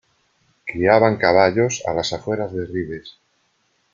Criaban caballos a las afueras de Ribes.